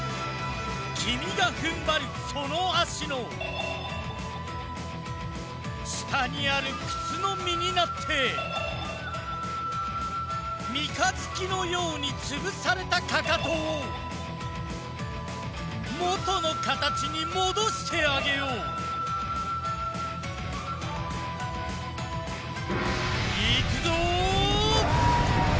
きみがふんばるそのあしのしたにある靴のみになってみかづきのようにつぶされたかかとをもとのかたちにもどしてあげよういくぞ！